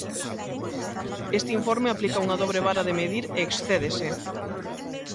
Este informe aplica unha dobre vara de medir e excédese.